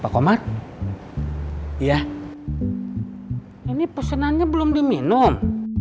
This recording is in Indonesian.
pak omar ya ini pesenannya belum diminum